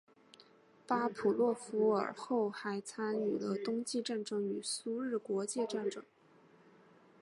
巴甫洛夫尔后还参与了冬季战争与苏日国界战争。